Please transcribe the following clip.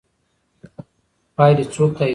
پایلې څوک تاییدوي؟